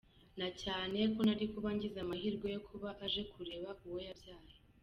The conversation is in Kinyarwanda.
Na cyane ko nari kuba ngize amahirwe yo kuba aje kureba uwo yabyaye”